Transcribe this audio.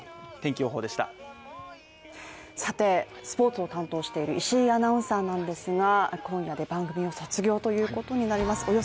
スポーツを担当している石井アナウンサーなんですが今夜で番組を卒業ということになります。